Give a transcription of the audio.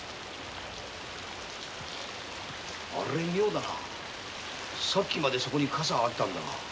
あれ妙だなさっきまでそこにカサがあったんだか。